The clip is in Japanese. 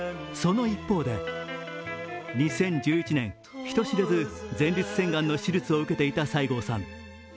その一方で２０１１年、人知れず前立腺がんの手術を受けていた西郷さん。